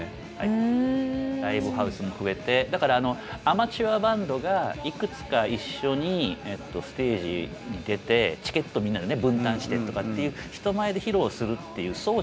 だからアマチュアバンドがいくつか一緒にステージに出てチケットみんなで分担してとかっていう人前で披露するっていう装置ができたんですよね。